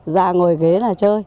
ra ngồi ghế là chơi